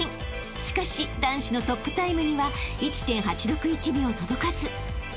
［しかし男子のトップタイムには１．８６１秒届かず］